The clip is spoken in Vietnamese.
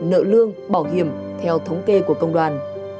nợ lương bảo hiểm theo thống kê của công đoàn